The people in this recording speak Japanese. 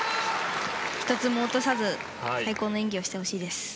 １つも落とさず最高の演技をしてほしいです。